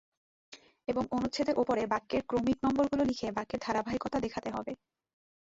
এবং অনুচ্ছেদের ওপরে বাক্যের ক্রমিক নম্বরগুলো লিখে বাক্যের ধারাবাহিকতা দেখাতে হবে।